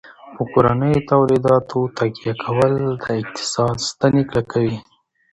په کورنیو تولیداتو تکیه کول د اقتصاد ستنې کلکوي.